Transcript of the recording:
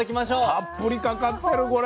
たっぷりかかってるこれ。